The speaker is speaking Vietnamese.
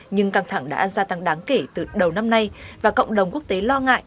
nhưng căng thẳng đã gia tăng đáng kể từ đầu năm nay và cộng đồng quốc tế lo ngại